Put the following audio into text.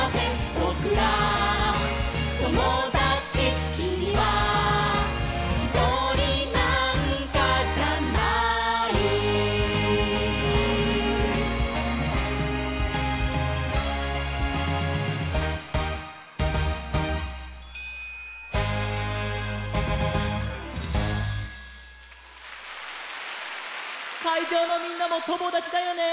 「ぼくらともだち」「きみはひとりなんかじゃない」かいじょうのみんなもともだちだよね！